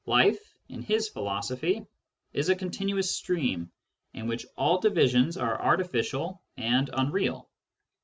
Life, in his philosophy, is a continuous stream, in which all divisions are artificial and unreal.